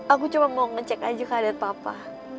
aku cuman mau ngenecek aja keadat papa